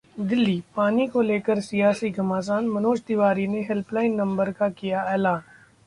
दिल्लीः पानी को लेकर सियासी घमासान, मनोज तिवारी ने हेल्पलाइन नंबर का किया ऐलान